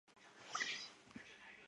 多称其为大阪单轨铁路。